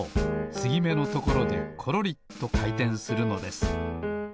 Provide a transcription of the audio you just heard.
つぎめのところでコロリとかいてんするのです。